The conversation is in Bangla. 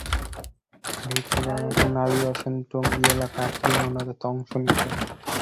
ভিড় ঠেলে অনেক নারীও আসেন টঙ্গী এলাকায় আখেরি মোনাজাতে অংশ নিতে।